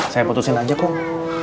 saya putusin aja kong